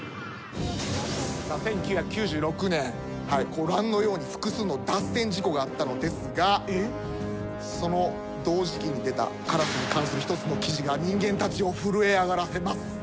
ご覧のように複数の脱線事故があったのですがその同時期に出たカラスに関する一つの記事が人間たちを震え上がらせます。